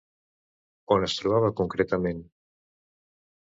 On es trobava concretament?